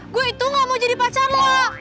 gue itu gak mau jadi pacar lah